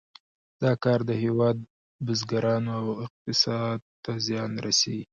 دا کار د یو هېواد بزګرانو او اقتصاد ته زیان رسیږي.